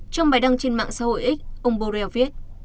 trong bài đăng trên mạng xã hội x ông borrell viết